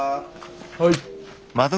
はい。